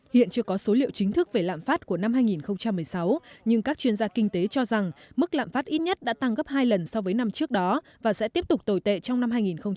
hiện chưa có số liệu chính thức về lạm phát của năm hai nghìn một mươi sáu nhưng các chuyên gia kinh tế cho rằng mức lạm phát ít nhất đã tăng gấp hai lần so với năm trước đó và sẽ tiếp tục tồi tệ trong năm hai nghìn một mươi chín